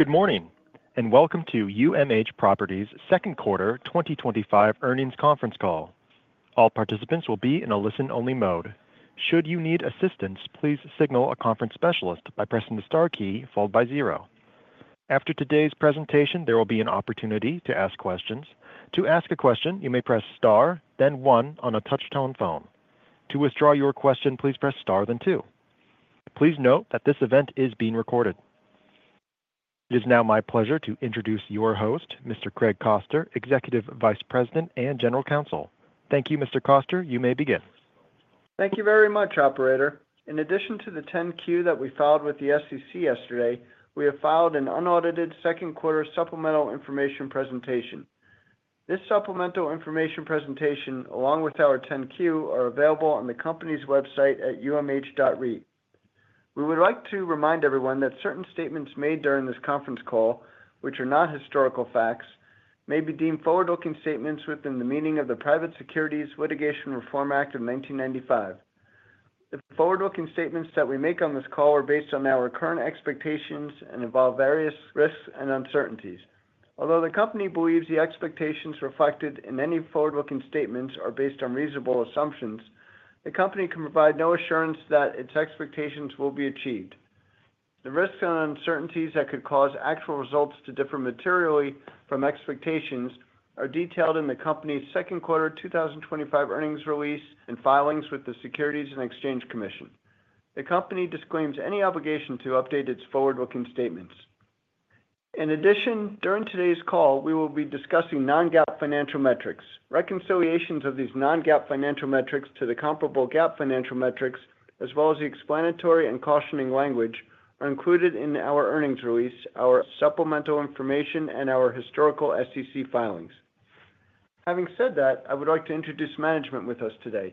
Good morning and welcome to UMH Properties Second Quarter 2025 Earnings Conference Call. All participants will be in a listen only mode. Should you need assistance, please signal a conference specialist by pressing the star key followed by zero. After today's presentation, there will be an opportunity to ask questions. To ask a question, you may press star then one on a touch tone phone. To withdraw your question, please press star then two. Please note that this event is being recorded. It is now my pleasure to introduce your host, Mr. Craig Koster, Executive Vice President and General Counsel. Thank you, Mr. Koster. You may begin. Thank you very much, Operator. In addition to the 10-Q that we filed with the SEC yesterday, we have filed an unaudited second quarter supplemental information presentation. This supplemental information presentation, along with our 10-Q, are available on the company's website at umh.reit. We would like to remind everyone that certain statements made during this conference call, which are not historical facts, may be deemed forward-looking statements within the meaning of the Private Securities Litigation Reform Act of 1995. The forward-looking statements that we make on this call are based on our current expectations and involve various risks and uncertainties. Although the company believes the expectations reflected in any forward-looking statements are based on reasonable assumptions, the company can provide no assurance that its expectations will be achieved. The risks and uncertainties that could cause actual results to differ materially from expectations are detailed in the company's second quarter 2025 earnings release and filings with the Securities and Exchange Commission. The company disclaims any obligation to update its forward-looking statements. In addition, during today's call, we will be discussing non-GAAP financial metrics. Reconciliations of these non-GAAP financial metrics to the comparable GAAP financial metrics, as well as the explanatory and cautioning language, are included in our earnings release, our supplemental information, and our historical SEC filings. Having said that, I would like to introduce management with us today: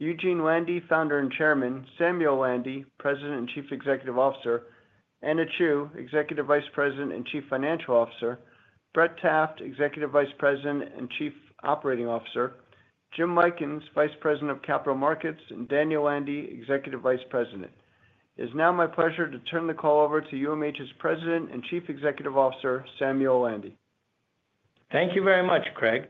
Eugene Landy, Founder and Chairman; Samuel Landy, President and Chief Executive Officer; Anna Chew, Executive Vice President and Chief Financial Officer; Brett Taft, Executive Vice President and Chief Operating Officer; Jim Lykins, Vice President of Capital Markets; and Daniel Landy, Executive Vice President. It is now my pleasure to turn the call over to UMH's President and Chief Executive Officer, Samuel Landy. Thank you very much, Craig.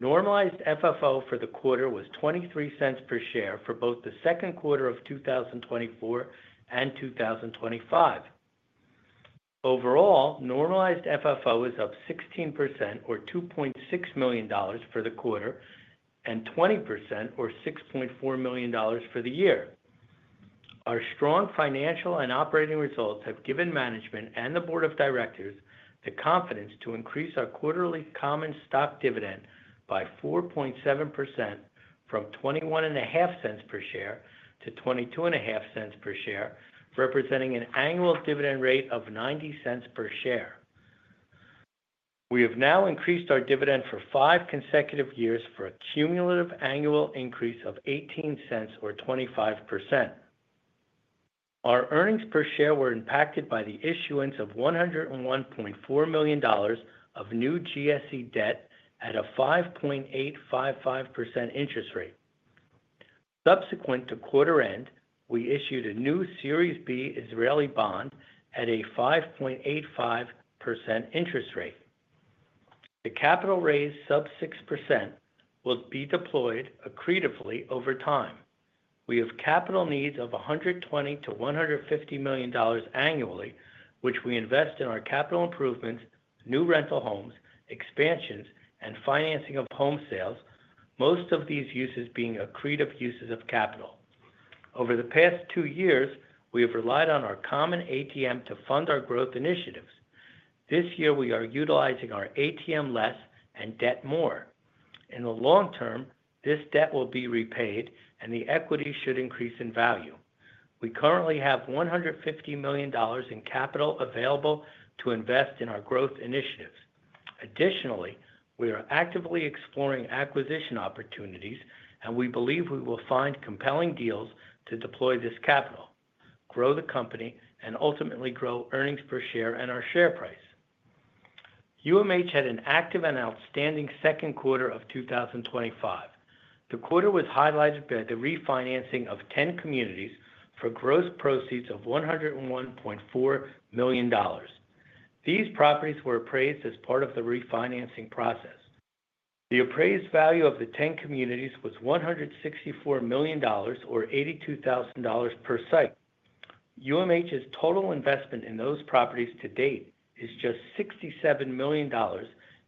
Normalized FFO for the quarter was $0.23 per share for both the second quarter of 2024 and 2025. Overall, normalized FFO was up 16% or $2.6 million for the quarter and 20% or $6.4 million for the year. Our strong financial and operating results have given management and the Board of Directors the confidence to increase our quarterly common stock dividend by 4.7% from $0.215 per share to $0.225 per share, representing an annual dividend rate of $0.90 per share. We have now increased our dividend for five consecutive years for a cumulative annual increase of $0.18 or 25%. Our earnings per share were impacted by the issuance of $101.4 million of new GSE debt at a 5.855% interest rate. Subsequent to quarter end we issued a new Series B Israeli bond at a 5.85% interest rate, the capital raised sub 6% will be deployed accretively over time. We have capital needs of $120 million-$150 million annually which we invest in our capital improvements, new rental homes, expansions and financing of home sales, most of these uses being accretive uses of capital. Over the past two years we have relied on our common ATM to fund our growth initiatives. This year we are utilizing our ATM less and debt more. In the long term, this debt will be repaid and the equity should increase in value. We currently have $150 million in capital available to invest in our growth initiatives. Additionally, we are actively exploring acquisition opportunities and we believe we will find compelling deals to deploy this capital, grow the company and ultimately grow earnings per share and our share price. UMH had an active and outstanding second quarter of 2025. The quarter was highlighted by the refinancing of 10 communities for gross proceeds of $101.4 million. These properties were appraised as part of the refinancing process. The appraised value of the 10 communities was $164 million, or $82,000 per site. UMH's total investment in those properties to date is just $67 million,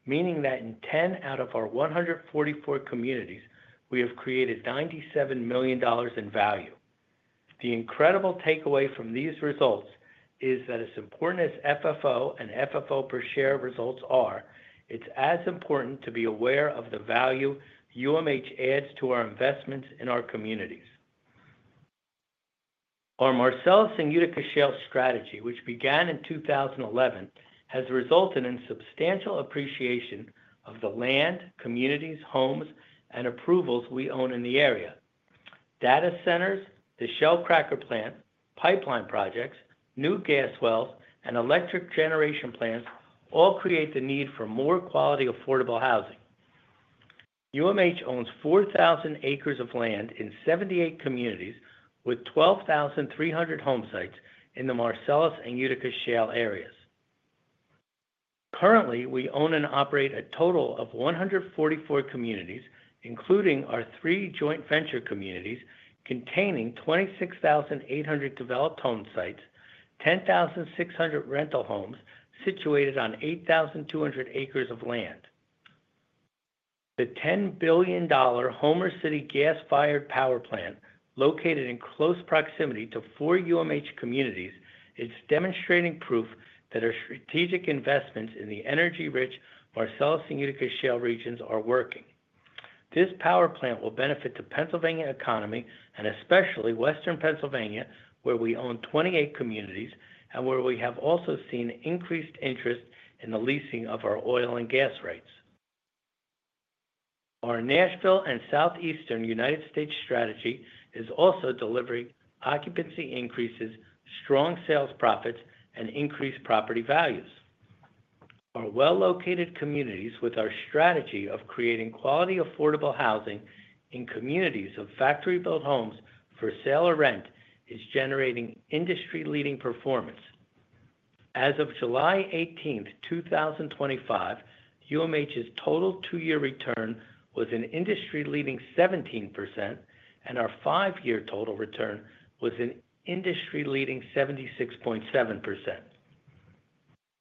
meaning that in 10 out of our 144 communities we have created $97 million in value. The incredible takeaway from these results is that as important as FFO and FFO per share results are, it's as important to be aware of the value UMH adds to our investments in our communities. Our Marcellus and Utica Shale strategy, which began in 2011, has resulted in substantial appreciation of the land, communities, homes and approvals we own in the area. Data centers, the Shell cracker plant, pipeline projects, new gas wells, and electric generation plants all create the need for more quality, affordable housing. UMH owns 4,000 acres of land in 78 communities with 12,300 home sites in the Marcellus and Utica Shale areas. Currently, we own and operate a total of 144 communities, including our three joint venture communities containing 26,800 developed home sites, 10,600 rental homes situated on 8,200 acres of land. The $10 billion Homer City gas-fired power plant located in close proximity to four UMH communities is demonstrating proof that our strategic investments in the energy-rich Marcellus and Utica Shale regions are working. This power plant will benefit the Pennsylvania economy and especially Western Pennsylvania, where we own 28 communities and where we have also seen increased interest in the leasing of our oil and gas rights. Our Nashville and Southeastern United States strategy is also delivering occupancy increases, strong sales profits, and increased property values. Our well-located communities with our strategy of creating quality, affordable housing in communities of factory-built homes for sale or rent is generating industry-leading performance. As of July 18th, 2025, UMH's total two-year return was an industry-leading 17%, and our five-year total return was an industry-leading 76.7%.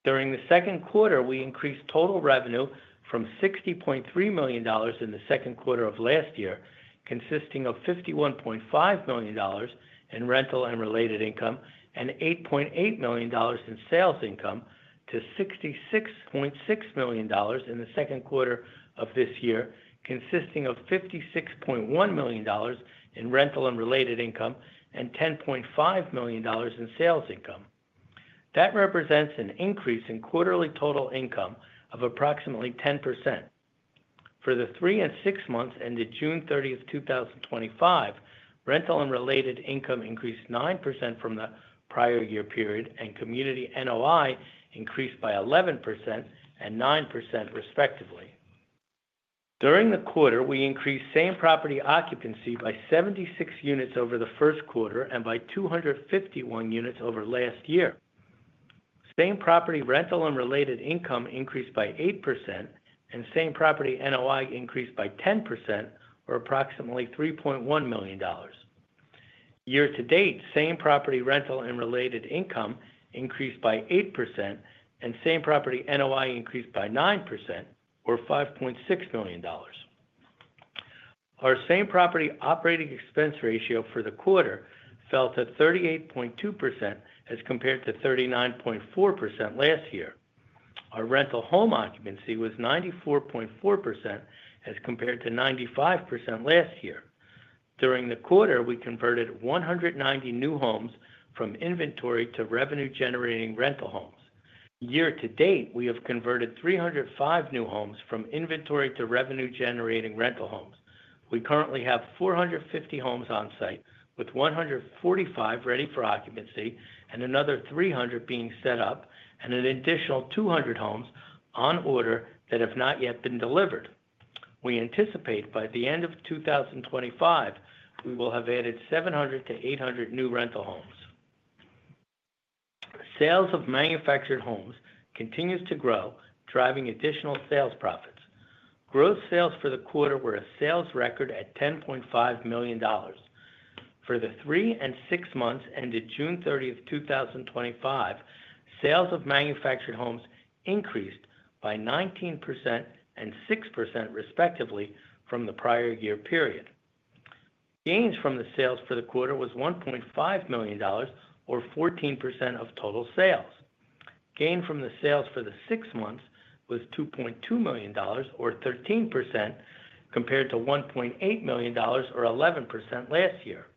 During the second quarter, we increased total revenue from $60.3 million in the second quarter of last year, consisting of $51.5 million in rental and related income and $8.8 million in sales income, to $66.6 million in the second quarter of this year, consisting of $56.1 million in rental and related income and $10.5 million in sales income. That represents an increase in quarterly total income of approximately 10% for the three and six months ended June 30th, 2025. Rental and related income increased 9% from the prior year period, and community NOI increased by 11% and 9%, respectively, during the quarter. We increased same property occupancy by 76 units over the first quarter and by 251 units over last year. Same property rental and related income increased by 8%, and same property NOI increased by 10%, or approximately $3.1 million. Year-to-date, same property rental and related income increased by 8%, and same property NOI increased by 9%, or $5.6 million. Our same property operating expense ratio for the quarter fell to 38.2% as compared to 39.4% last year. Our rental home occupancy was 94.4% as compared to 95% last year. During the quarter we converted 190 new homes from inventory to revenue generating rental homes. Year-to-date we have converted 305 new homes from inventory to revenue generating rental homes. We currently have 450 homes on site with 145 ready for occupancy and another 300 being set up and an additional 200 homes on order that have not yet been delivered. We anticipate by the end of 2025 we will have added 700-800 new rental homes. Sales of manufactured homes continues to grow, driving additional sales profits. Gross sales for the quarter were a sales record at $10.5 million. For the three and six months ended June 30th, 2025, sales of manufactured homes increased by 19% and 6% respectively from the prior year period. Gains from the sales for the quarter was $1.5 million or 14% of total sales. Gain from the sales for the six months was $2.2 million or 13% compared to $1.8 million or 11% last year.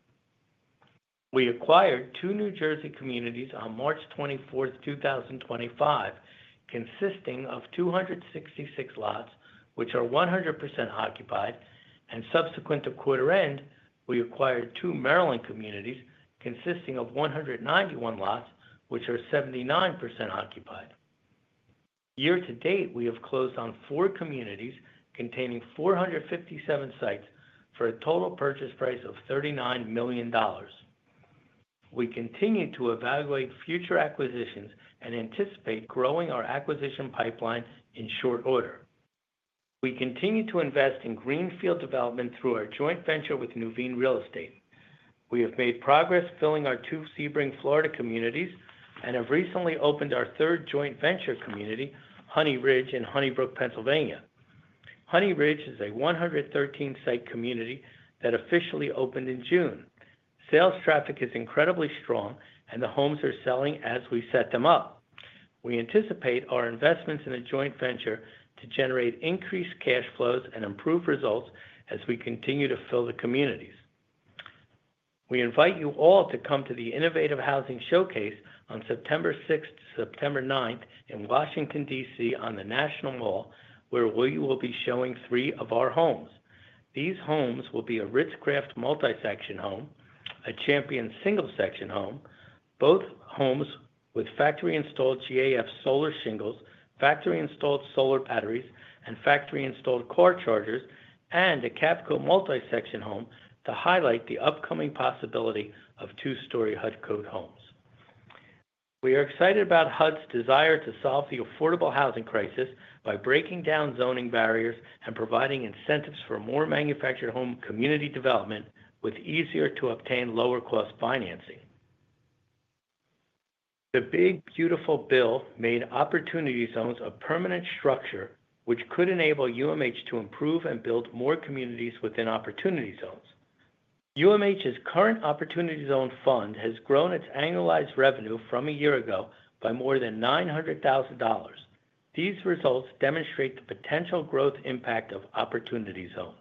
We acquired two New Jersey communities on March 24th, 2025 consisting of 266 lots which are 100% occupied, and subsequent to quarter end we acquired two Maryland communities consisting of 191 lots which are 79% occupied. Year-to-date we have closed on four communities containing 457 sites for a total purchase price of $39 million. We continue to evaluate future acquisitions and anticipate growing our acquisition pipeline in short order. We continue to invest in greenfield development through our joint venture with Nuveen Real Estate. We have made progress filling our two Sebring, Florida communities and have recently opened our third joint venture community, Honey Ridge, in Honey Brook, Pennsylvania. Honey Ridge is a 113 site community that officially opened in June. Sales traffic is incredibly strong and the homes are selling as we set them up. We anticipate our investments in a joint venture to generate increased cash flows and improved results as we continue to fill the communities. We invite you all to come to the Innovative Housing Showcase on September 6th to September 9th in Washington, D.C. on the National Mall where we will be showing three of our homes. These homes will be a Ritz-Craft multi-section home, a Champion single-section. Home, both homes with factory installed. GAF solar shingles, factory installed solar batteries, and factory installed car chargers, and a Cavco multi-section home to highlight the upcoming possibility of two-story HUD code homes. We are excited about HUD's desire to solve the affordable housing crisis by breaking down zoning barriers and providing incentives for more manufactured home community development with easier to obtain lower cost financing. The Big Beautiful Bill made Opportunity Zones a permanent structure, which could enable UMH to improve and build more communities within Opportunity Zones. UMH's current Opportunity Zone fund has grown its annualized revenue from a year ago by more than $900,000. These results demonstrate the potential growth impact of Opportunity Zones.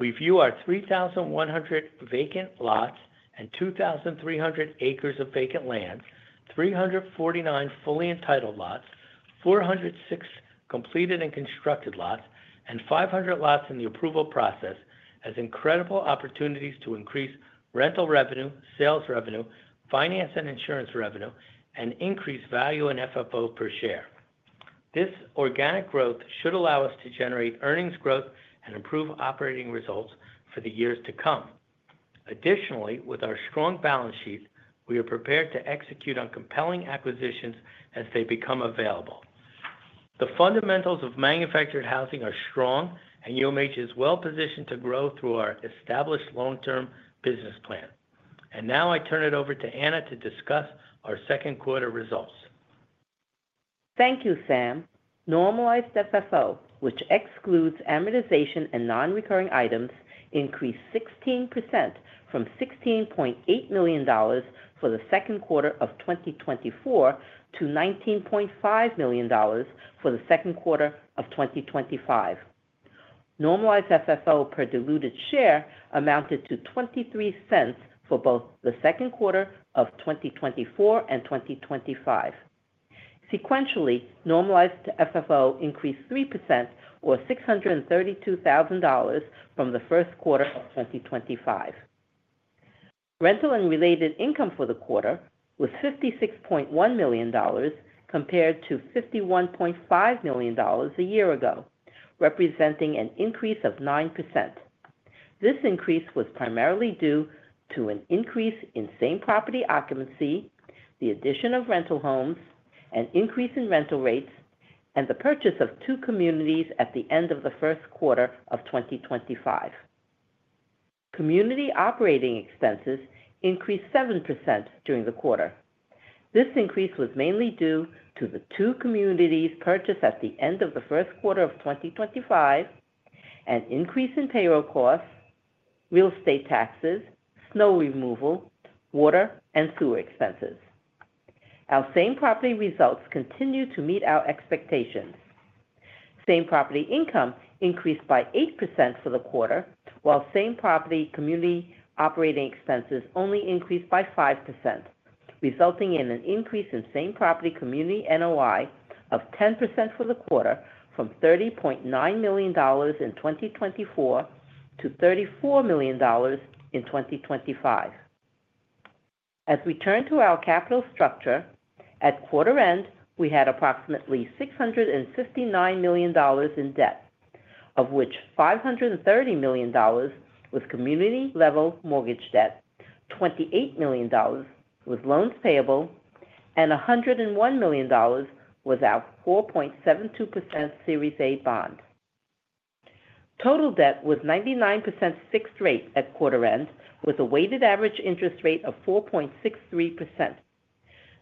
We view our 3,100 vacant lots and 2,300 acres of vacant land, 349 fully entitled lots, 406 completed and constructed lots, and 500 lots in the approval process as incredible opportunities to increase rental revenue, sales revenue, finance and insurance revenue, and increase value and FFO per share. This organic growth should allow us to generate earnings growth and improve operating results for the years to come. Additionally, with our strong balance sheet, we are prepared to execute on compelling acquisitions as they become available. The fundamentals of manufactured housing are strong, and UMH is well positioned to grow through our established long term business plan. And now I now turn it over to Anna to discuss our second quarter results. Thank you Sam. Normalized FFO, which excludes amortization and nonrecurring items, increased 16% from $16.8 million for the second quarter of 2024 to $19.5 million for the second quarter of 2025. Normalized FFO per diluted share amounted to $0.23 for both the second quarter of 2024 and 2025. Sequentially, normalized FFO increased 3% or $632,000 from the first quarter of 2025. Rental and related income for the quarter was $56.1 million compared to $51.5 million a year ago, representing an increase of 9%. This increase was primarily due to an increase in same property occupancy, the addition of rental homes, an increase in rental rates, and the purchase of two communities at the end of the first quarter of 2025. Community operating expenses increased 7% during the quarter. This increase was mainly due to the two communities purchased at the end of the first quarter of 2025, an increase in payroll costs, real estate taxes, snow removal, water, and sewer expenses. Our same property results continue to meet our expectations. Same property income increased by 8% for. The quarter, while same property community operating. Expenses only increased by 5%, resulting in an increase in same property community NOI of 10% for the quarter from $30.9 million in 2024 to $34 million in 2025. As we turn to our capital structure, at quarter end we had approximately $659 million in debt, of which $530 million was community level mortgage debt, $28 million was loans payable, and $101 million was our 4.72% Series A bond. Total debt was 99% fixed rate at quarter end with a weighted average interest rate of 4.63%.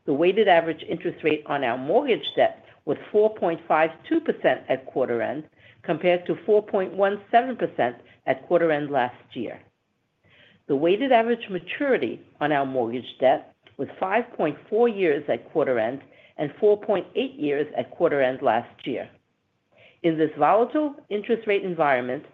The weighted average interest rate on our mortgage debt was 4.52% at quarter end compared to 4.17% at quarter end last year. The weighted average maturity on our mortgage debt was 5.4 years at quarter end and 4.8 years at quarter end last year. In this volatile interest rate environment,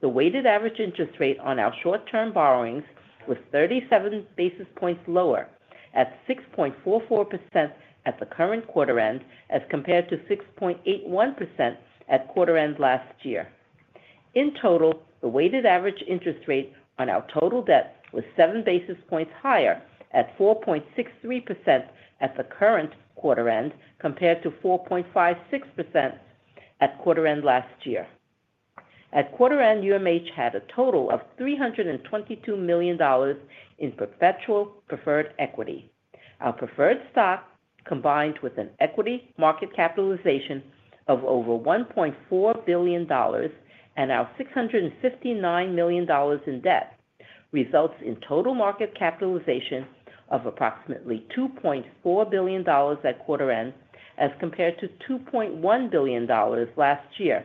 the weighted average interest rate on our short term borrowings was 37 basis points lower at 6.44% at the current quarter end as compared to 6.81% at quarter end last year. In total, the weighted average interest rate on our total debt was 7 basis points higher at 4.63% at the current quarter end compared to 4.56% at quarter end last year. At quarter end, UMH had a total of $322 million in perpetual preferred equity. Our preferred stock combined with an equity market capitalization of over $1.4 billion and our $659 million in debt results in total market capitalization of approximately $2.4 billion at quarter end as compared to $2.1 billion last year,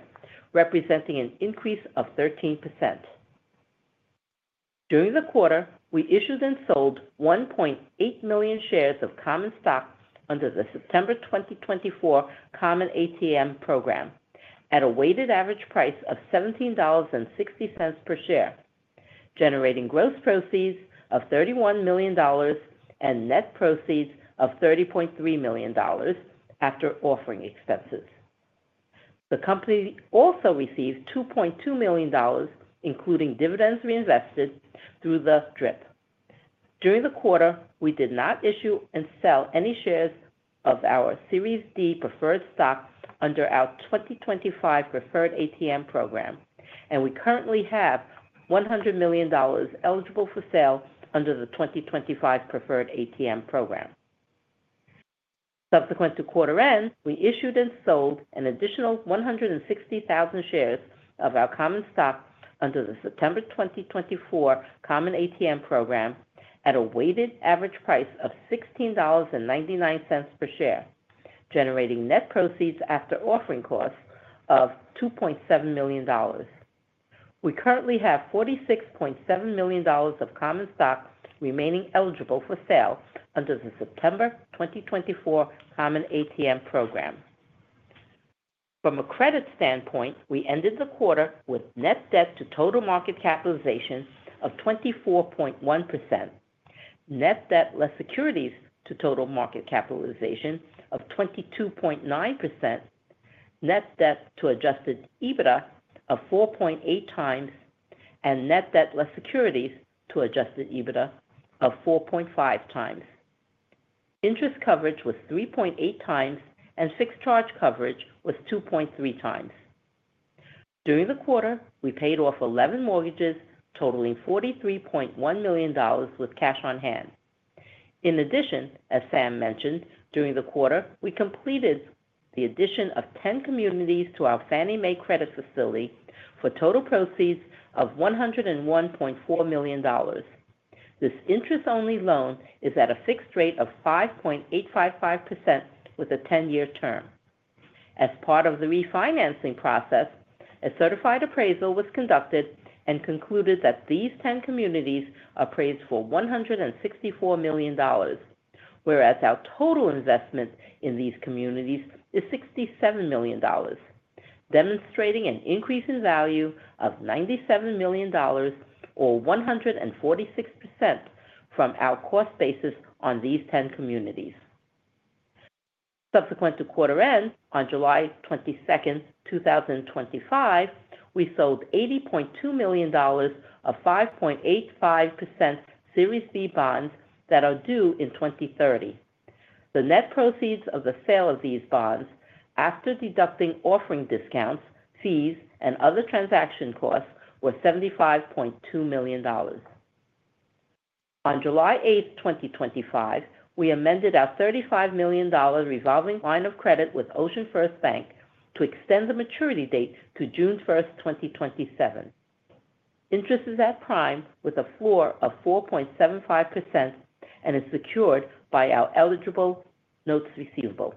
representing an increase of 13%. During the quarter, we issued and sold 1.8 million shares of common stock under the September 2024 Common ATM program at a weighted average price of $17.60 per share, generating gross proceeds of $31 million and net proceeds of $30.3 million after offering expenses. The company also received $2.2 million including dividends reinvested through the DRIP. During the quarter. We did not issue and sell any shares of our Series D preferred stock under our 2025 Preferred ATM program, and we currently have $100 million eligible for sale under the 2025 Preferred ATM program. Subsequent to quarter end, we issued and sold an additional 160,000 shares of our common stock under the September 2024 Common ATM Program at a weighted average price of $16.99 per share, generating net proceeds after offering costs of $2.7 million. We currently have $46.7 million of common stock remaining eligible for sale under the September 2024 Common ATM Program. From a credit standpoint, we ended the quarter with net debt to total market capitalization of 24.1%, net debt less securities to total market capitalization of 22.9%, net debt to adjusted EBITDA of 4.8x, and net debt less securities to adjusted EBITDA of 4.5x. Interest coverage was 3.8x, and fixed charge coverage was 2.3x. During the quarter, we paid off 11 mortgages totaling $43.1 million with cash on hand. In addition, as Sam mentioned, during the quarter we completed the addition of 10 communities to our Fannie Mae credit facility for total proceeds of $101.4 million. This interest only loan is at a fixed rate of 5.855% with a 10 year term. As part of the refinancing process, a certified appraisal was conducted and concluded that these 10 communities appraised for $164 million, whereas our total investment in these communities is $67 million, demonstrating an increase in value of $97 million or 146% from our cost basis on these 10 communities. Subsequent to quarter end, on July 22nd, 2025, we sold $80.2 million of 5.85% Series C bonds that are due in 2030. The net proceeds of the sale of these bonds after deducting offering discounts, fees, and other transaction costs was $75.2 million. On July 8, 2025, we amended our $35 million revolving line of credit with OceanFirst Bank to extend the maturity date to June 1st, 2027. Interest is at prime with a floor of 4.75% and is secured by our eligible notes receivable.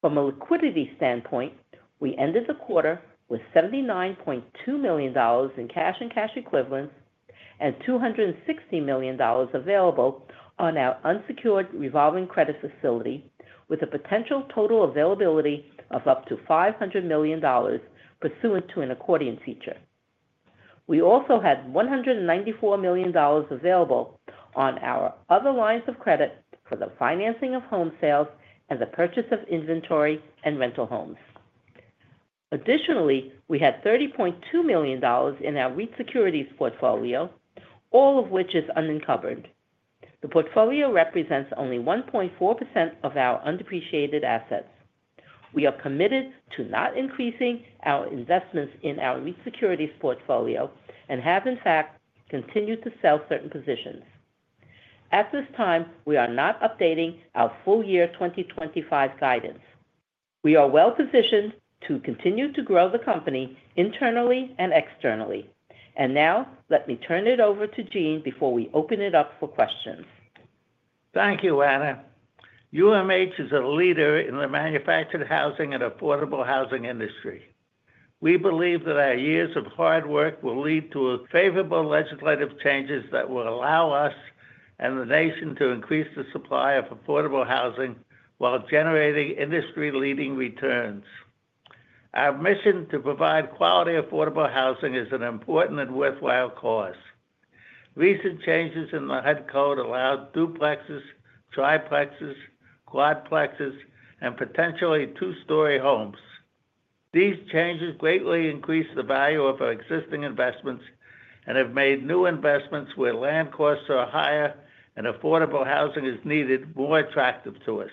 From a liquidity standpoint, we ended the quarter with $79.2 million in cash and cash equivalents and $260 million available on our unsecured revolving credit facility with a potential total availability of up to $500 million pursuant to an accordion feature. We also had $194 million available on our other lines of credit for the financing of home sales and the purchase of inventory and rental homes. Additionally, we had $30.2 million in our REIT securities portfolio, all of which is unencumbered. The portfolio represents only 1.4% of our undepreciated assets. We are committed to not increasing our investments in our REIT securities portfolio and have in fact continued to sell certain positions. At this time, we are not updating our full year 2025 guidance. We are well positioned to continue to grow the company internally and externally, and now let me turn it over to. Gene, before we open it up for questions. Thank you, Anna. UMH is a leader in the manufactured housing and affordable housing industry. We believe that our years of hard work will lead to favorable legislative changes that will allow us and the nation to increase the supply of affordable housing while generating industry-leading returns. Our mission to provide quality, affordable housing is an important and worthwhile cause. Recent changes in the HUD code allowed duplexes, triplexes, quadplexes, and potentially two-story homes. These changes greatly increase the value of our existing investments and have made new investments where land costs are higher and affordable housing is needed more attractive to us.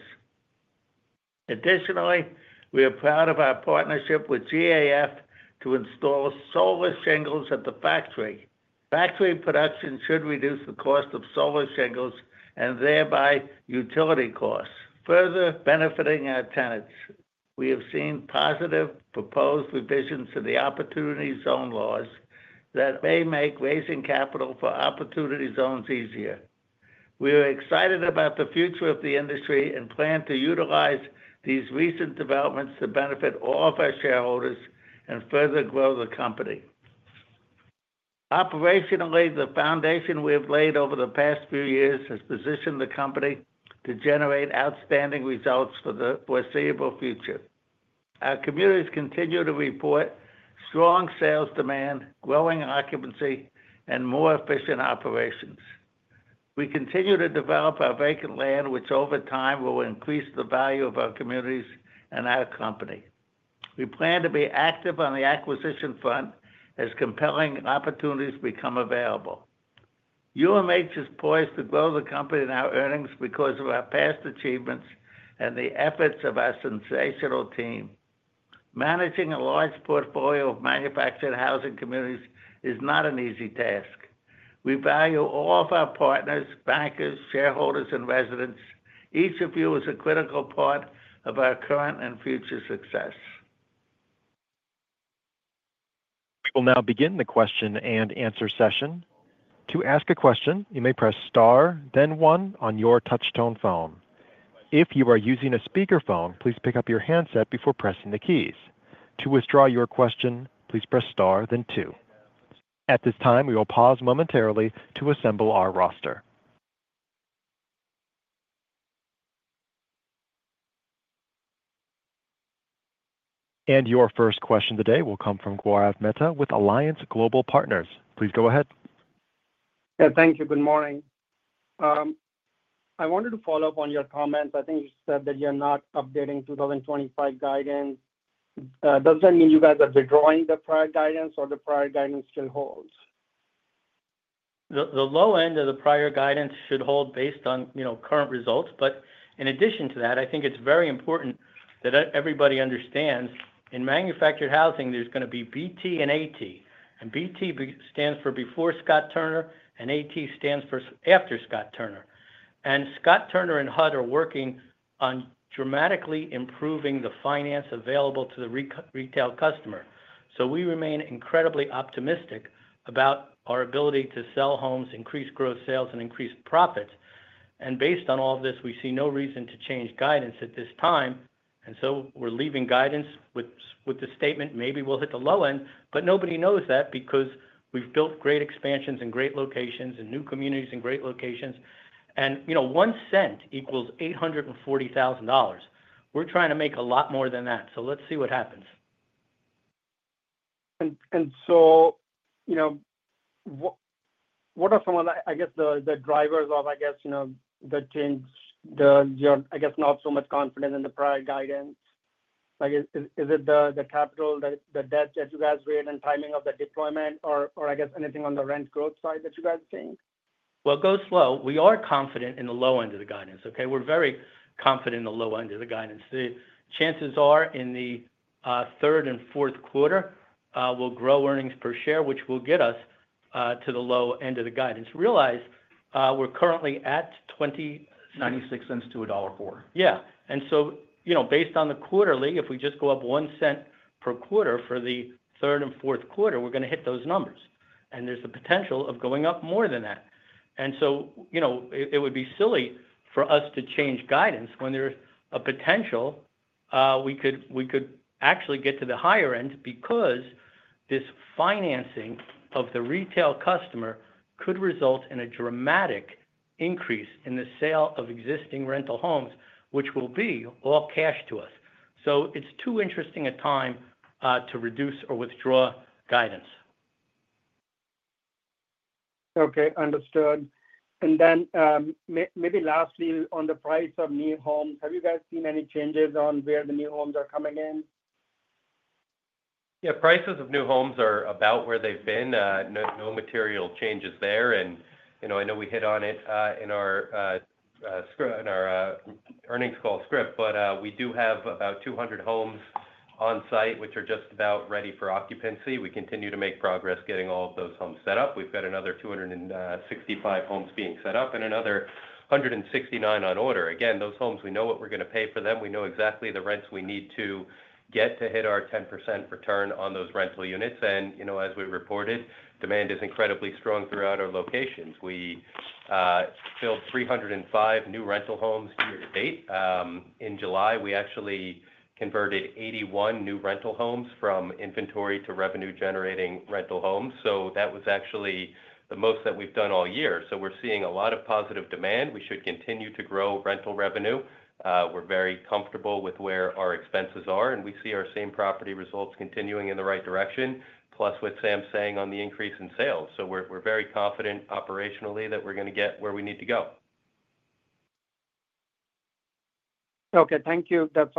Additionally, we are proud of our partnership with GAF to install solar shingles at the factory. Factory production should reduce the cost of solar shingles and thereby utility costs, further benefiting our tenants. We have seen positive proposed revisions to the Opportunity Zone laws that may make raising capital for Opportunity Zones easier. We are excited about the future of the industry and plan to utilize these recent developments to benefit all of our shareholders and further grow the company operationally. The foundation we have laid over the past few years has positioned the company to generate outstanding results for the foreseeable future. Our communities continue to report strong sales demand, growing occupancy, and more efficient operations. We continue to develop our vacant land, which over time will increase the value of our communities and our company. We plan to be active on the acquisition front as compelling opportunities become available. UMH is poised to grow the company and our earnings because of our past achievements and the efforts of our sensational team. Managing a large portfolio of manufactured housing communities is not an easy task. We value all of our partners, bankers, shareholders, and residents. Each of you is a critical part of our current and future success. We'll now begin the question and answer session. To ask a question, you may press star then one on your touchtone phone. If you are using a speakerphone, please pick up your handset before pressing the keys. To withdraw your question, please press star then two. At this time, we will pause momentarily to assemble our roster. And your first question today will come from Gaurav Mehta with Alliance Global Partners. Please go ahead. Yeah, thank you. Good morning. I wanted to follow up on your comments. I think you said that you're not updating 2025 guidance. Does that mean you guys are withdrawing the prior guidance, or the prior guidance still holds? The low end of the prior guidance should hold based on current results. In addition to that, I think. It's very important that everybody understands in manufactured housing, there's going to be BT and AT. BT stands for Before Scott Turner and AT stands for After Scott Turner. Scott Turner and HUD are working on dramatically improving the finance available to the retail customer. We remain incredibly optimistic about our ability to sell homes, increase gross sales, and increase profits. Based on all of this, we see no reason to change guidance at this time. We're leaving guidance with the statement maybe we'll hit the low end. Nobody knows that because we've built great expansions in great locations and new communities in great locations. $0.01 equals $840,000. We're trying to make a lot more than that. Let's see what happens. What are some of the drivers of the change? Not so much confidence in the prior guidance. Is it the capital, the debt that you guys weighed and timing of the deployment, or anything on the rent growth side that you guys think? We'll go slow. We are confident in the low end of the guidance. We're very confident in the low end of the guidance. The chances are in the third and fourth quarter we'll grow earnings per share. Which will get us to the low. End of the guidance. Realize we're currently at $20.96 to $1.04. Yeah. Based on the quarterly, if we just go up $0.01 per quarter for the third and fourth. Quarter, we're going to hit those numbers. There's a potential of going up more than that. You know, it would be. Silly for us to change guidance when. There's a potential we could. Actually get to the higher end because this financing of the retail customer could result in a dramatic increase in the sale of existing rental homes, which will be all cash to us. It's too interesting a time to. Reduce or withdraw guidance. Okay, understood. And then maybe lastly, on the price of new home, have you guys seen any changes on where the new homes are coming in? Yeah, prices of new homes are about where they've been. No material changes there. I know we hit on it in our script, our earnings call script, but we do have about 200 homes on site which are just about ready for occupancy. We continue to make progress getting all of those homes set up. We've got another 265 homes being set up and another 169 on order. Again, those homes, we know what we're going to pay for them. We know exactly the rents we need to get to hit our 10% return on those rental units. As we reported, demand is incredibly strong throughout our locations. We filled 305 new rental homes year-to-date. In July we actually converted 81 new rental homes from inventory to revenue generating rental homes. That was actually the most that we've done all year. We're seeing a lot of positive demand. We should continue to grow rental revenue. We're very comfortable with where our expenses are and we see our same property results continuing in the right direction, plus what Sam is saying on the increase in sales. We're very confident operationally that we're going to get where we need to go. Okay, thank you. That's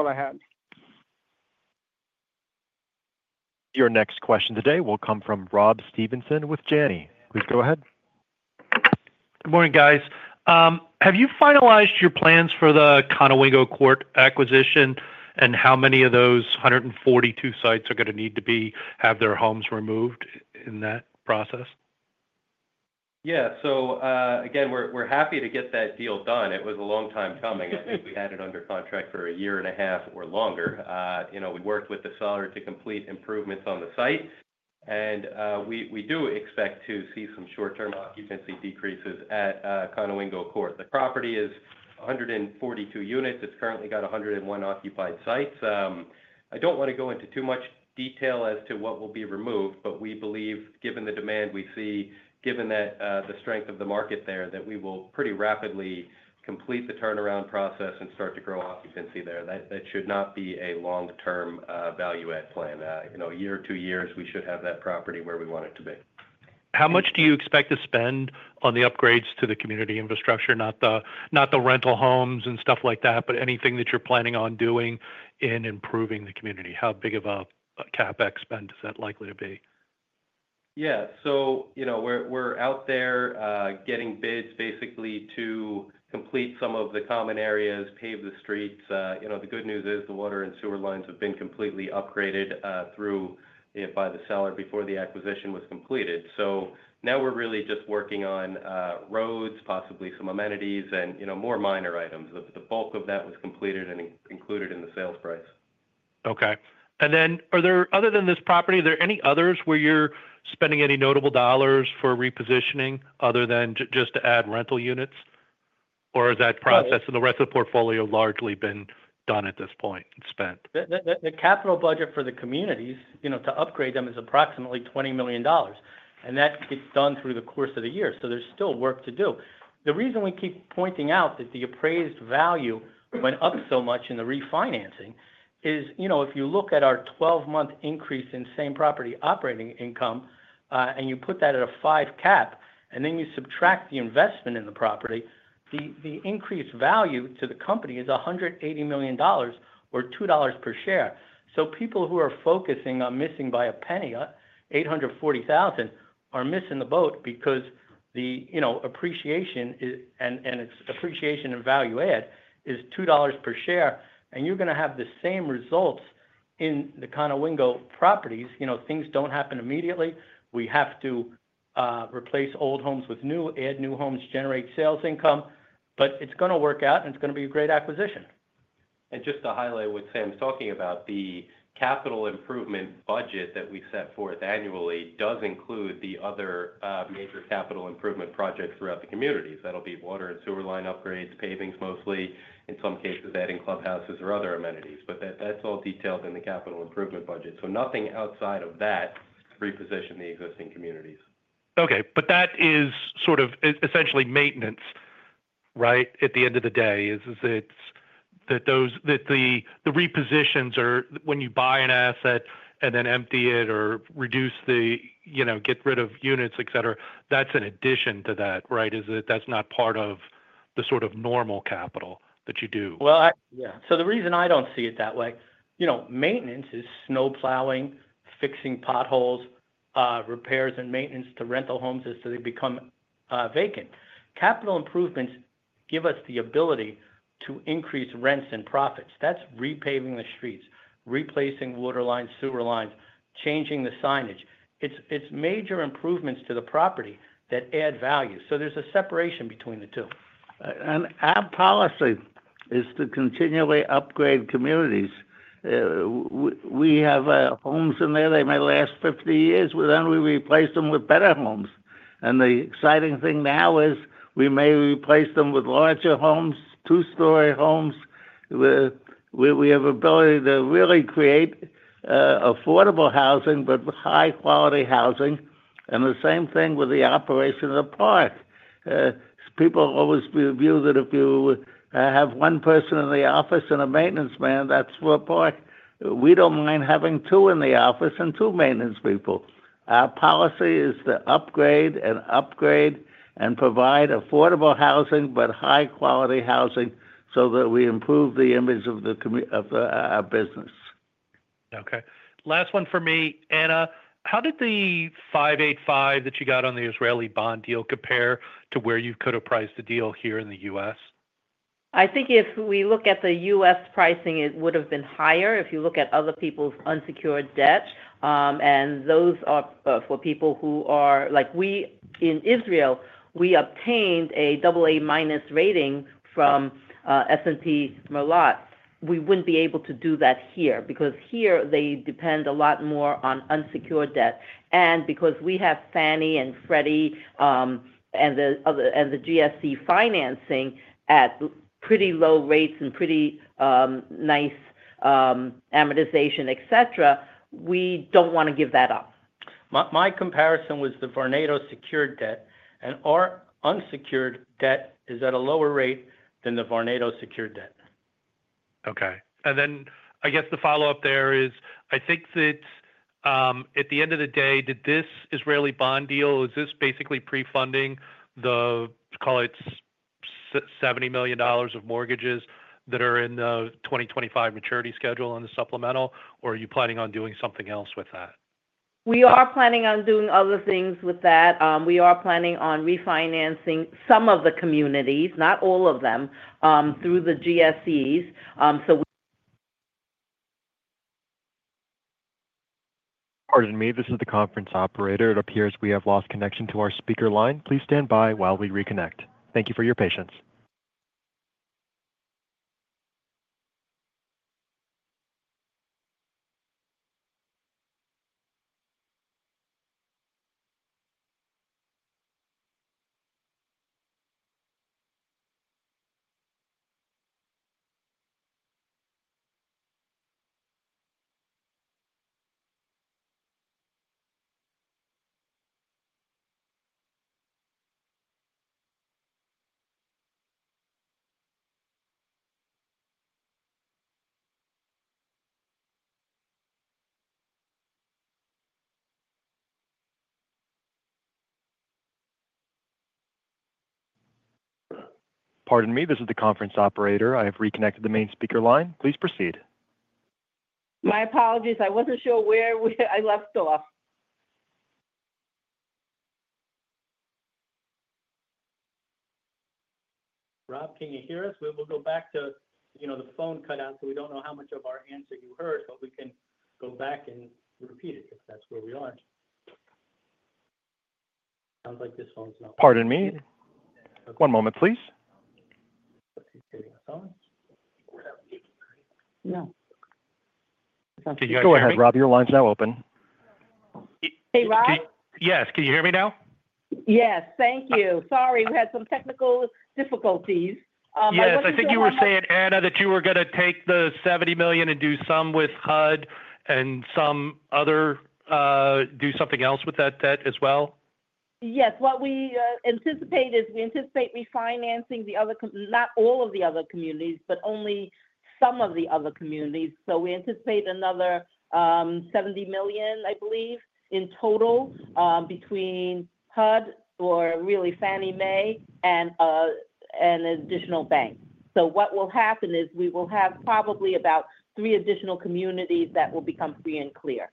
all I had. Your next question today will come from Rob Stevenson with Janney. Please go ahead. Good morning, guys. Have you finalized your plans for the Conowingo Court acquisition, and how many of those 142 sites are going to need to have their homes removed in that process? Yeah, again we're happy to get that deal done. It was a long time coming. I think we had it under contract for a year and a half or longer. We worked with the seller to complete improvements on the site, and we do expect to see some short term occupancy decreases at Conowingo Court. The property is 142 units. It's currently got 101 occupied sites. I don't want to go into too. Much detail as to what will be removed. But we believe given the demand we see, given the strength of the market there, that we will pretty rapidly complete the turnaround process and start to grow occupancy there. That should not be a long-term value add plan. You know, a year or two years, we should have that property where we. Want it to be. How much do you expect to spend on the upgrades to the community infrastructure? Not the rental homes and stuff like that, but anything that you're planning on doing in improving the community. How big of a CapEx spend is that likely to be? Yeah, so you know, we're out there getting bids basically to complete some of the common areas, pave the streets. The good news is the water and sewer lines have been completely upgraded by the seller before the acquisition was completed. Now we're really just working on roads, possibly some amenities, and more minor items. The bulk of that was completed and included in the sales price. Okay, and then are there, other than. This property, are there any others where? You're spending any notable dollars for repositioning other than just to add rental units, or is that process and the rest of the portfolio largely been done at? This point and spent? The capital budget for the communities, you know, to upgrade them is approximately $20 million. That gets done through the course of the year. There's still work to do. The reason we keep pointing out that. The appraised value went up so much in the refinancing. If you look at our 12 month increase in same property operating income and you put that at a 5% cap, and then you subtract the investment in the property, the increased value to the company is $180 million or $2 per share. People who are focusing on missing by a penny, $840,000, are missing the. Boat, because the appreciation and. Its appreciation and value add is $2 per share. You're going to have the same results in the Conowingo properties. You know, things don't happen immediately. We have to replace old homes with new, add new homes, generate sales income. It's going to work out. It's going to be a great acquisition. To highlight what Sam's talking about, the capital improvement budget that we set forth annually does include the other major capital improvement projects throughout the communities. That'll be water and sewer line upgrades, pavings mostly, in some cases adding clubhouses or other amenities. That's all detailed in the capital improvement budget. Nothing outside of that. Reposition the existing communities. Okay, but that is sort of essentially maintenance, right? At the end of the day, it's that those, that the repositions are when you buy an asset and then empty it or reduce the, you know, get rid of units, et cetera. That's an addition to that, right? That's not part of the sort of normal capital that you do? Well, yeah. The reason I don't see it that way, you know, maintenance is snow plowing, fixing potholes, repairs and maintenance to rental homes as they become vacant. Capital improvements give us the ability to increase rents and profits. That's repaving the streets, replacing water lines, sewer lines, changing the signage. It's major improvements to the property that add value. There's a separation between the two. Our policy is to continually upgrade communities. We have homes in there, they may last 50 years, then we replace them with better homes. The exciting thing now is we may replace them with larger homes, two-story homes. We have ability to really create affordable housing, but high quality housing. The same thing with the operation of the park. People always view that if you have one person in the office and a maintenance man, that's for a park. We don't mind having two in the office and two maintenance people. Our policy is to upgrade and upgrade and provide affordable housing, but high quality housing so that we improve the image of the business. Okay. Last one for me, Anna. How did the 5.85% that you got on the Israeli bond deal compare to where you could have priced the deal. Here in the U.S.? I think if we look at the. U.S. pricing, it would have been higher. If you look at other people's unsecured debt, and those are for people who are like we in Israel, we obtained a AA- rating from S&P. Maalot, we wouldn't be. Able to do that here. Because here, they depend a lot more on unsecured debt. Because we have Fannie and Freddie and the other and the GSE financing. At pretty low rates and pretty nice amortization, et cetera. We don't want to give that up. My comparison was the Vornado secured debt. Our unsecured debt is at a. Lower rate than the Vornado secured debt. Okay, and then I guess the follow up there is, I think that at the end of the day, did this Israeli bond deal, is this basically pre-funding the, call it, $70 million of mortgages that are in the 2025 maturity schedule on the supplemental, or are you planning on doing. Something else with that? We are planning on doing other things with that. We are planning on refinancing some of the communities, not all of them, through the GSEs. So. Pardon me, this is the conference operator. It appears we have lost connection to our speaker line. Please stand by while we reconnect. Thank you for your patience. Pardon me, this is the conference operator. I have reconnected the main speaker line. Please proceed. My apologies, I wasn't sure where I left off. Rob, can you hear us? We will go back to the phone cut out. We do not know how much of our answer you heard, but we can go back and repeat it if that is where we are. It sounds like this phone is not. Pardon me, one moment please. No. Go ahead, Rob, your line's now open. Hey Rob? Yes. Can you hear me now? Yes, thank you. Sorry, we had some technical difficulties. Yes, I think you were saying, Anna. That you were going to take the $70 million and do some with HUD and some other. Do something else with that debt as well? Yes. What we anticipate is we anticipate refinancing the other, not all of the other communities, but only some of the other communities. We anticipate another $70 million, I believe in total between HUD or really Fannie Mae and additional bank. What will happen is we will have probably about three additional communities that will become free and clear.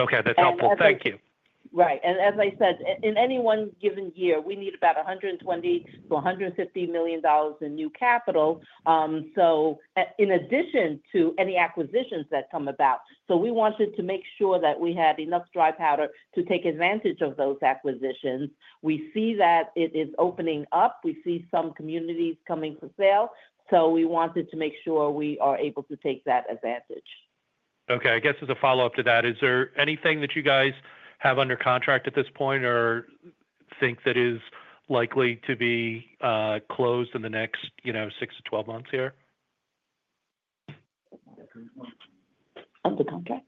Okay, that's helpful. Thank you. Right. And as I said, in any one given year, we need about $120 million-$150 million in new capital. In addition to any acquisitions that come about, we wanted to make sure that we had enough dry powder to take. Advantage of those acquisitions. We see that it is opening up. We see some communities coming for sale, so we wanted to make sure we are able to take that advantage. Okay. I guess as a follow-up to that, is there anything that you guys have under contract at this point or think that is likely to be closed in the next six to 12 months here? Under contract?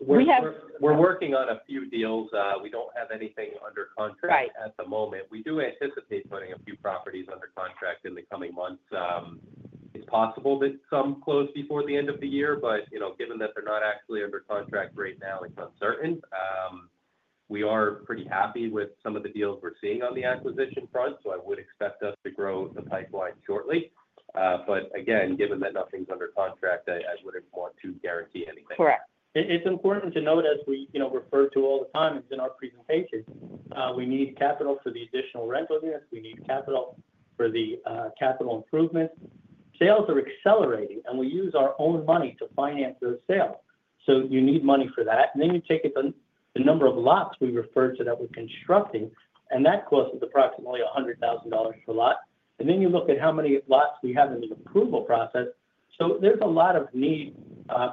We're working on a few deals. We don't have anything under contract at the moment. We do anticipate putting a few properties under contract in the coming months. It's possible that some close before the. End of the year, but, you know, given that they're not actually under contract right now, it's uncertain. We are pretty happy with some of the deals we're seeing on the acquisition front. I would expect us to grow the pipeline shortly. Again, given that nothing's under contract, I wouldn't want to guarantee anything. Correct. It's important to note, as we refer to all the time in our presentation, we need capital for the additional rental units. We need capital for the capital improvement. Sales are accelerating and we use our own money to finance those sales. You need money for that, and then you take it on the number of lots we referred to that we're constructing, and that costs us approximately $100,000 per lot. You look at how many. Lots we have in the approval process. There's a lot of need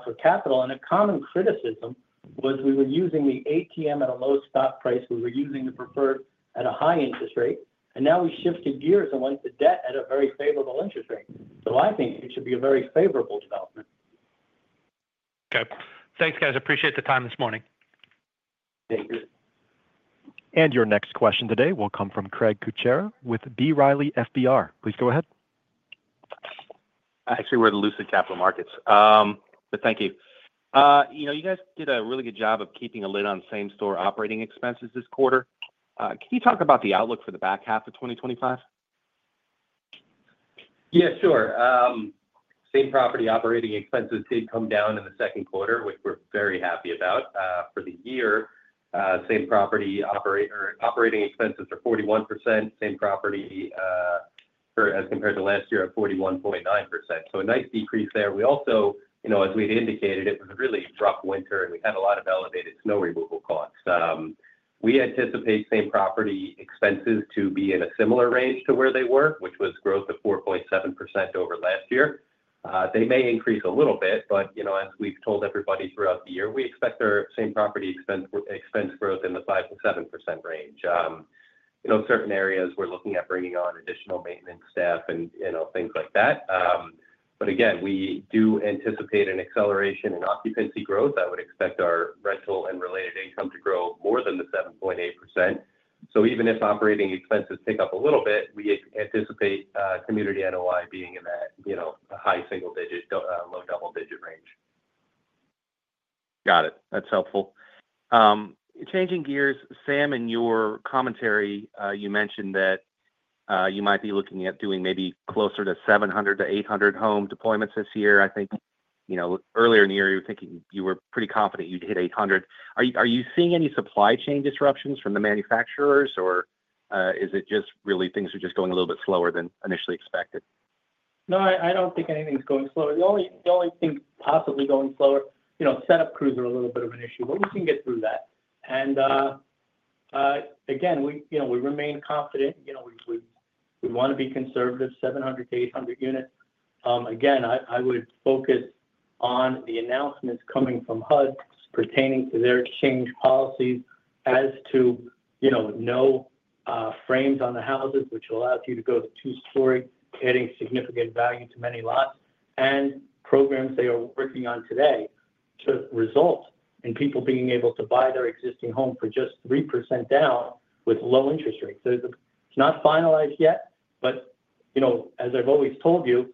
for capital. A common criticism was we were using the ATM at a low stock price, we were using the preferred at a high interest rate, and now we shifted gears and went to debt at a very favorable interest rate. I think it should be a very favorable development. Okay, thanks, guys. Appreciate the time this morning. Thanks. Your next question today will come from Craig Kucera with B. Riley FBR. Please go ahead. Actually, we're the Lucid Capital Markets, but thank you. You know, you guys did a really. Good job of keeping a lid on same store operating expenses this quarter. Can you talk about the outlook for the back half of 2025? Yeah, sure. Same property operating expenses did come down in the second quarter, which we're very happy about for the year. Same property operating expenses are 41%. Same property as compared to last year at 41.9%, so a nice decrease there. We also, as we'd indicated, it was a really rough winter and we had a lot of elevated snow removal costs. We anticipate same property expenses to be in a similar range to where they were, which was growth of 4.7% over last year. They may increase a little bit, but, as we've told everybody throughout the year, we expect our same property expense growth in the 5%- 7% range. Certain areas we're looking at bringing on additional maintenance staff and things like that. Again, we do anticipate an acceleration in occupancy growth. I would expect our rental and related income to grow more than the 7.8%. Even if operating expenses pick up a little bit, we anticipate community NOI being in that high single digits, low double-digit range. Got it. That's helpful. Changing gears, Sam, in your commentary, you mentioned that you might be looking at doing maybe closer to 700-800 home deployments this year. I think earlier in the year, your thinking you were pretty confident you'd hit 800. Are you seeing any supply chain disruptions from the manufacturers? Or is it just really things are just going a little bit slower than initially expected? No, I don't think anything's going slow. The only thing possibly going forward, setup crews are a little bit of an issue, but we can get through that. We remain confident. We want to be conservative. 700-800 unit. I would focus on the announcements coming from HUD pertaining to their exchange policies as to no frames on the houses, which allows you to go to two-story, adding significant value to many lots and programs they are working on today to result in people being able to buy their existing home for just 3% down with low interest rates. It's not finalized yet. As I've always told you,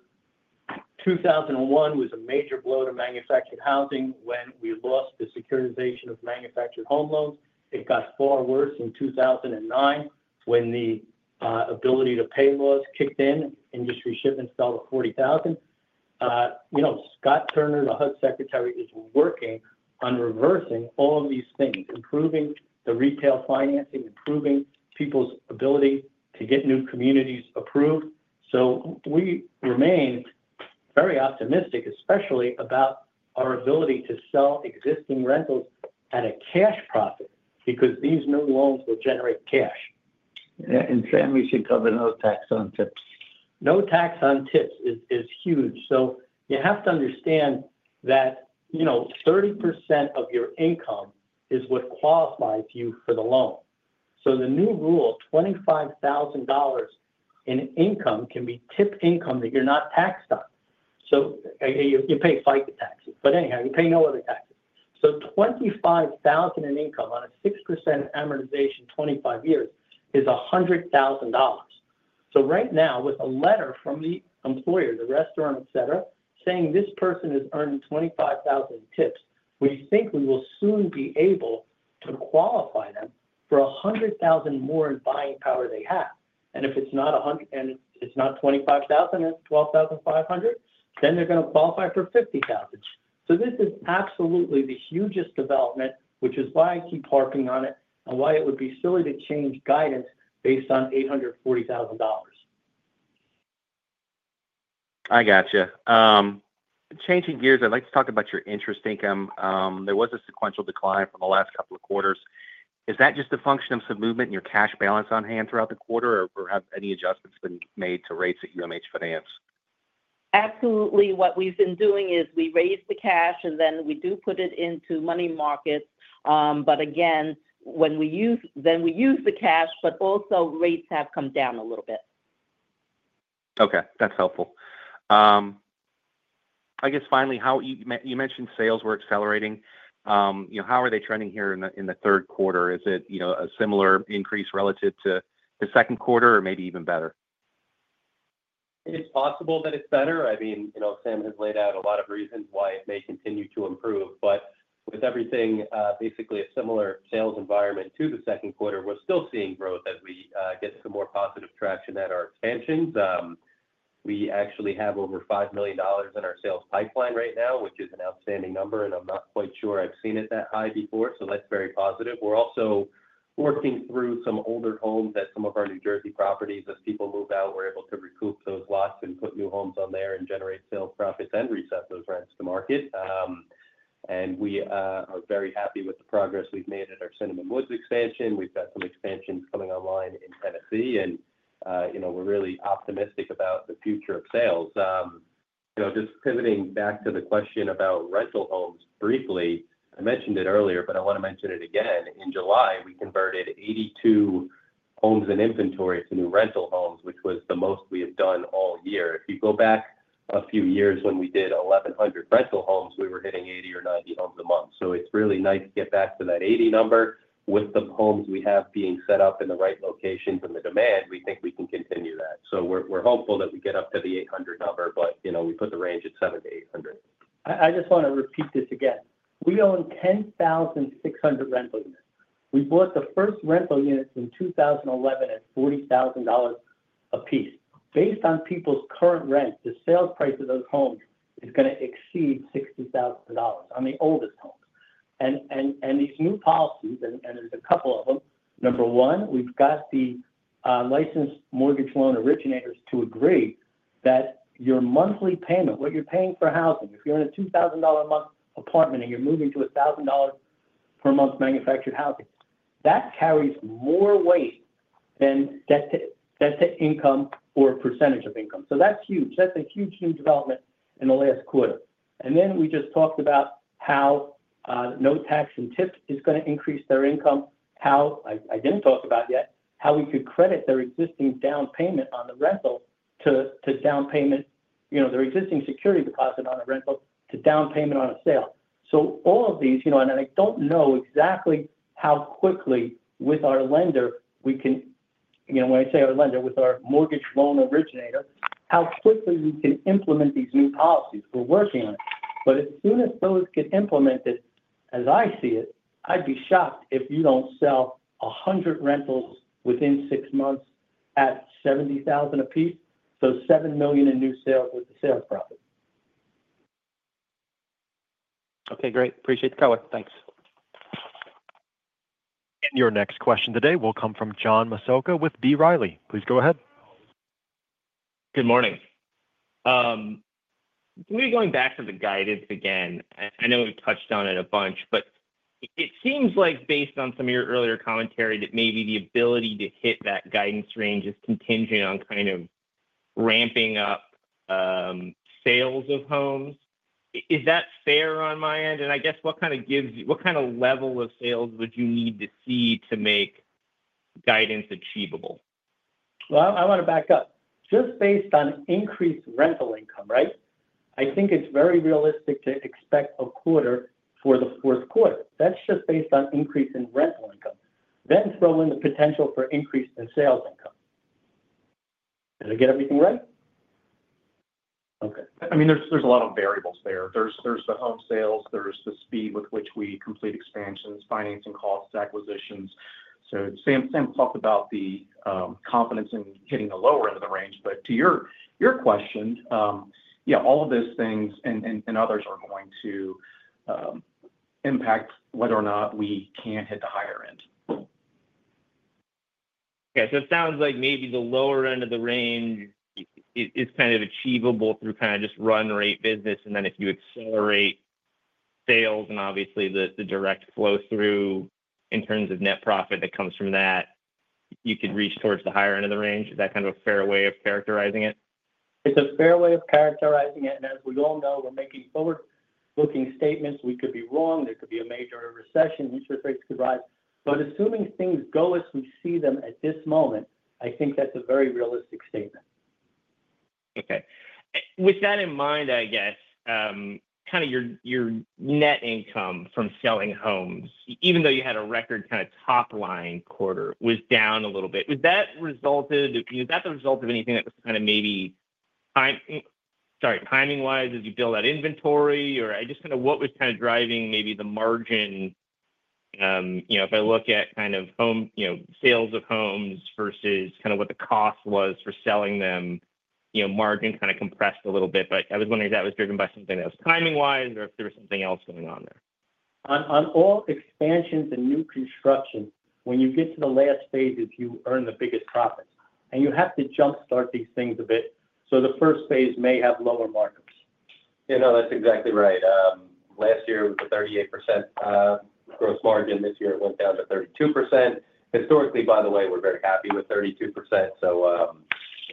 2001 was a major blow to manufactured housing when we lost the securitization of manufactured home loans. It got far worse in 2009 when the ability to pay laws kicked in. Industry shipments fell to 40,000. Scott Turner, the HUD Secretary, is working on reversing all these things, improving the retail financing, improving people's ability to get new communities approved. We remain very optimistic, especially about our ability to sell existing rentals at a cash profit because these new loans will generate cash. Sam, we should cover no tax on tips. No tax on tips is huge. You have to understand that 30% of your income is what qualifies you for the loan. The new rule, $25,000 in income, can be tip income that you're not taxed on. You pay FICA tax, but anyhow you're paying all other taxes. $25,000 in income on a 6% amortization, 25 years, is $100,000. Right now, with a letter from the employer, the restaurant, et cetera, saying this person is earning $25,000 tips, would you think we will soon be able to qualify them for $100,000 more in buying power they have? And if it's not and it's not $25,000, and $12,500, then they're going to qualify for $50,000. This is absolutely the hugest development, which is why I keep parking on it and why it would be silly to change guidance based on $840,000. I got you. Changing gears, I'd like to talk about your interest income. There was a sequential decline for the. Last couple of quarters. Is that just a function of some movement in your cash balance on hand throughout the quarter, or have any adjustments been made to rates at UMH Finance? Absolutely. What we've been doing is we raise the cash, and then we do put it into money market. When we use, then we use the cash. Also, rates have come down a little bit. Okay, that's helpful, I guess. Finally, how are you. You mentioned sales were accelerating. How are they trending here in the third quarter? Is it a similar increase relative to the second quarter or maybe even better? It's possible that it's better. I mean, Sam has laid out a lot of reasons why it may continue to improve, but with everything basically a similar sales environment to the second quarter, we're still seeing growth as we get some more positive traction at our expansions. We actually have over $5 million in our sales pipeline right now, which is an outstanding number. I'm not quite sure I've seen it that high before, so that's very positive. We're also working through some older homes at some of our New Jersey properties. As people move out, we're able to recoup those lots and put new homes on there and generate sales profits and reset those rents to market. We are very happy with the progress we've made at our Cinnamon Woods expansion. We've got some expansion coming online in Tennessee, and we're really optimistic about the future of sales. Just pivoting back to the question about rental owns briefly. I mentioned it earlier, but I want. To mention it again. In July, we converted 82 homes in inventory to new rental homes, which was the most we have done all year. If you go back a few years, when we did 1,100 rental homes, we were hitting 80 or 90 homes a month. It's really nice to get back to that 80 number. With the homes we have being set up in the right location for the demand, we think we can continue that. We're hopeful that we get up to the 800 number. We put the range at 700-800. I just want to repeat this again. We own 10,600 rental units. We bought the first rental unit in 2011 at $40,000 a piece. Based on people's current rent, the sales price of those homes is going to exceed $60,000 on the oldest home. These new policies, and there's a couple of them, number one, we've got the licensed mortgage loan originators to agree that your monthly payment, what you're paying for housing, if you're in a $2,000 a month apartment and you're moving to $1,000 per month manufactured housing, that carries more weight than debt to income or percentage of income. That's huge. That's a huge new development in the last quarter. We just talked about how no tax and tip is going to increase their income. I didn't talk about yet how we could credit their existing down payment on the rental to down payment, you know, their existing security deposit on the rental to down payment on a sale. All of these, and I don't know exactly how quickly with our lender we can, when I say our lender with our mortgage loan originator, how quickly we can implement these new policies we're working on. As soon as those get implemented, as I see it, I'd be shocked if you don't sell 100 rentals within six months at $70,000 a piece. That's $7 million in new sales with the sales profit. Okay, great. Appreciate the color. Thanks. Your next question today will come from John Massocca with B. Riley. Please go ahead. Good morning. We're going back to the guidance again. I know we've touched on it a bunch. It seems like based on. Some of your earlier commentary that maybe the ability to hit that guidance range is contingent on kind of ramping up sales of homes. Is that fair on my end? I guess what. Kind of gives you what kind of. Level of sales would you need to? See, to make guidance achievable? I want to back up just based on increased rental income. Right? I think it's very realistic to expect a quarter for the fourth quarter that's just based on increase in rental income. Then throw in the potential for increase in sales income. Did I get everything right? Okay. I mean, there's a lot of variables there. There's the home sales, there's the speed. With which we complete expansions, financing costs, acquisitions. Sam talked about the confidence in hitting the lower end of the range. To your question, all of those things and others are going to impact whether or not we can hit the higher end. Yeah. It sounds like maybe the lower. End of the range is kind of. Achievable through just run rate business. If you accelerate sales and obviously the direct flow through in terms of net profit that comes from that, you could reach towards the higher end of the range. Is that kind of a fair way of characterizing it? It's a fair way of characterizing it. As we all know, we're making forward looking statements. We could be wrong. There could be a major recession, interest rates could rise. Assuming things go as we see them at this moment, I think that's a very realistic statement. Okay. With that in mind, I guess your net income from selling homes, even though you had a record kind of top line quarter, was down a little bit. Was that resulted? Is that a result of anything that kind of maybe? I'm sorry, timing wise as you build that inventory, what was kind of driving maybe the margin? If I look at kind of home sales of homes versus what the cost was for selling them, margin kind of compressed a little bit. I was wondering if that was driven by something that was timing wise. Or if there was something else going on there? On all expansions and new construction, when you get to the last phases, you earn the biggest profit, and you have to jumpstart these things a bit. The first phase may have lower markets. You know, that's exactly right. Last year with a 38% gross margin, this year it went down to 32%. Historically, by the way, we're very happy with 32%.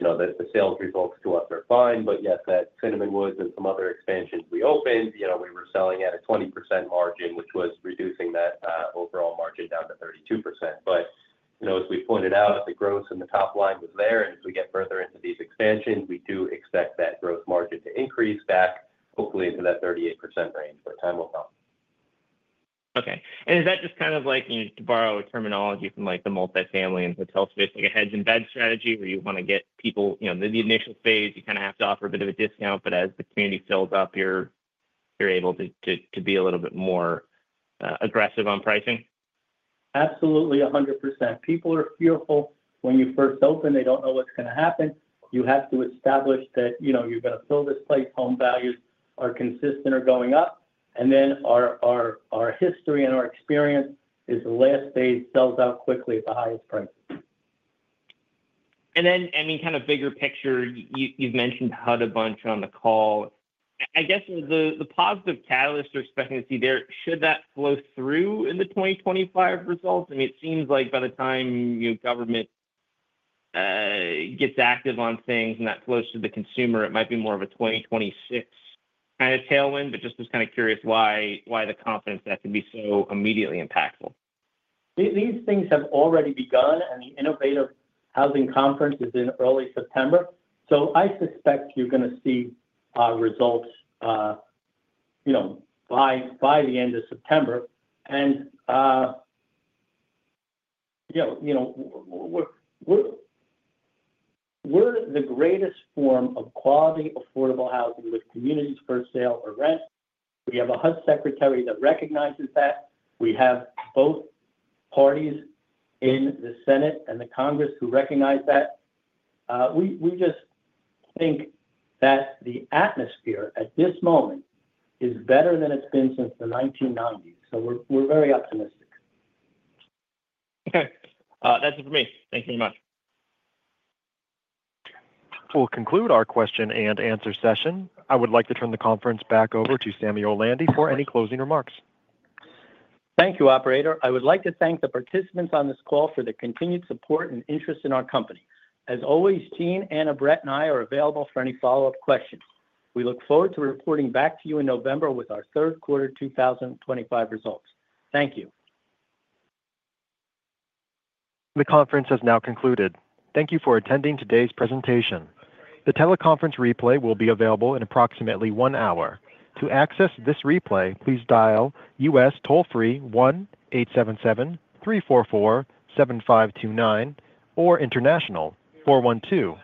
You know that if the sales results do up, they're fine. Yet that Cinnamon Woods and some other expansions we opened, you know, we were selling at a 20% margin, which was reducing that overall margin down to 32%. You know, as we pointed out, the growth in the top line was there. As we get further into these expansions, we do expect that gross margin to increase back hopefully into that 38% range but time will tell. Okay, is that just kind of. Like to borrow a terminology from the multifamily and hotel space, like a heads in beds strategy, where you want to get people. In the initial phase, you kind of have to offer a bit of a discount, but as the community fills up here, you're able to be a little bit more aggressive on pricing? Absolutely, 100%. People are fearful when you first open. They don't know what's going to happen. You have to establish that you know you're going to fill this place. Home values are consistent or going up. Our history and. Our experience is the last phase sells out quickly at the highest price. And. I mean kind of bigger picture. You've mentioned HUD a bunch on the call. I guess the positive catalyst you're expecting to see there, should that flow through in the 2025 results? It seems like by the time government gets active on things not close to the consumer, it might be more of a 2026 kind of tailwind. I was just kind of curious why the confidence that could be so immediately impactful. These things have already begun, and the Innovative Housing Conference is in early September. I suspect you're going to see results by the end of September. And. You know. We're the. Greatest form of quality affordable housing with communities for sale or rent. We have a HUD Secretary that recognizes that. We have both parties in the Senate and the Congress who recognize that. We just think that the atmosphere at this moment is better than it's been since the 1990s. We're very optimistic. That's it for me. Thank you very much. We'll conclude our question and answer session. I would like to turn the conference back over to Samuel Landy for any closing remarks. Thank you, operator. I would like to thank the participants on this call for the continued support and interest in our company. As always, Gene, Anna, Brett and I are available for any follow up questions. We look forward to reporting back to you in November with our third quarter 2025 results. Thank you. The conference has now concluded. Thank you for attending today's presentation. The teleconference replay will be available in approximately one hour. To access this replay, please dial U.S. toll-free 1-877-344-7529 or international 412.